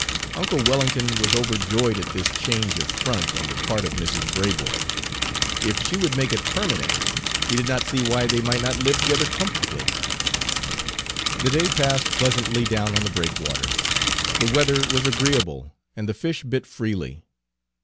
Uncle Wellington was overjoyed at this change of front on the part of Mrs. Braboy; if she would make it permanent he did not see why they might not live together very comfortably. The day passed pleasantly down on the breakwater. The weather was agreeable, and the fish bit freely.